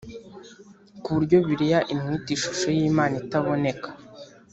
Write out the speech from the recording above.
ku buryo Bibiliya imwita ishusho y Imana itaboneka